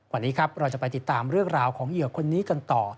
วันนี้ครับเราจะไปติดตามเรื่องราวของเหยื่อคนนี้กันต่อ